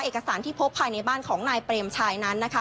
เอกสารที่พบภายในบ้านของนายเปรมชัยนั้นนะคะ